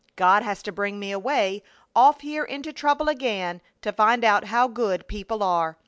God had to bring me away off here into trouble again to find out how good people are.